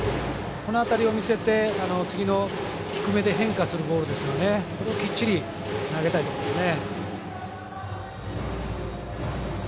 この辺りを見せて次の低めの変化するボールをこれをきっちり投げたいところですね。